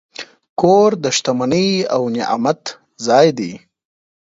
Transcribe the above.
کور د شتمنۍ او نعمت ځای دی.